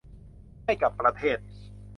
ให้กับประเทศ